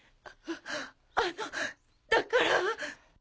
ああのだから。